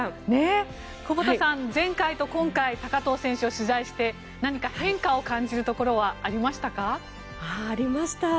久保田さん前回と今回高藤選手を取材して何か変化を感じるところはありましたか？